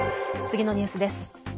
次のニュースです。